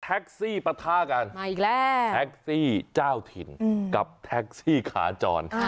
แท็กซี่ประทากันแท็กซี่เจ้าถิ่นกับแท็กซี่ขาจร